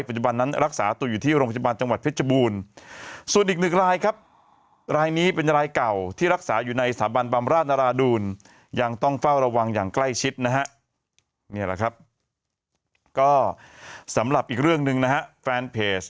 ปัจจุบันนั้นรักษาตัวอยู่ที่โรงพยาบาลจังหวัดเพชรจบูรณ์